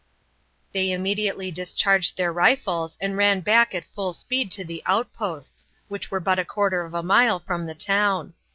They immediately discharged their rifles and ran back at full speed to the outposts, which were but a quarter of a mile from the town.